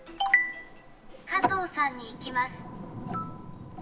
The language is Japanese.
加藤さんに行きます。